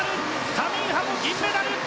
カミンハ、銀メダル。